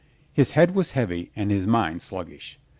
His head was heavy and his mind sluggish.